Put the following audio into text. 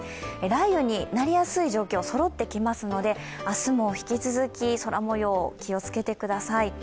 雷雨になりやすい状況がそろってきますので明日も引き続き、空もよう気をつけてください。